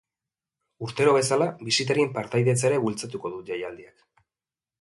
Urtero bezala bisitarien partaidetza ere bultzatuko du jaialdiak.